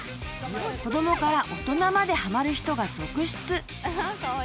［子供から大人まではまる人が続出］